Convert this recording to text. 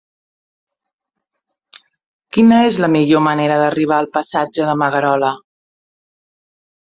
Quina és la millor manera d'arribar al passatge de Magarola?